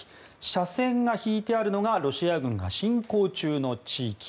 斜線が引いてあるのがロシア軍が侵攻中の地域。